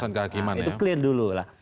kehakiman itu clear dulu lah